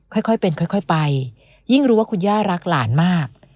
ค่อยเป็นค่อยไปยิ่งรู้ว่าคุณย่ารักหลานมาก